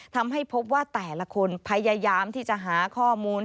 ทำให้พบว่าแต่ละคนพยายามที่จะหาข้อมูล